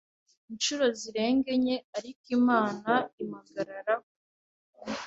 inshuro zirenga enye ariko Imana impagararaho